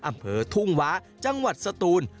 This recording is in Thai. อำเภอทุ่งว้าจังหวัดสตูน